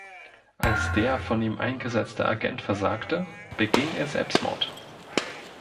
Als der von ihm eingesetzte Agent versagte, beging er Selbstmord.